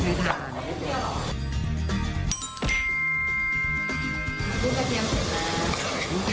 พูดกระเทียมเสร็จแล้ว